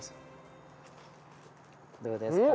どうですか？